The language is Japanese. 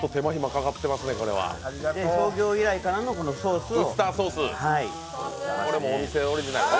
創業以来からのソースを。